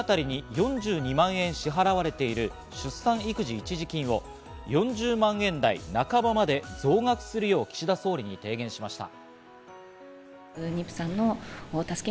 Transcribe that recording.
昨日、自民党の議員連盟は出産した際、子供１人あたりに４２万円支払われている、出産育児一時金を４０万円台半ばまで増額するよう岸田総理に提言しました。